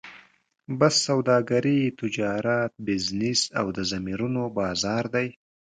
بس سوداګري، تجارت، بزنس او د ضمیرونو بازار دی.